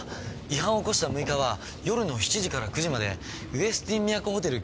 違反を起こした６日は夜の７時から９時までウェスティン都ホテル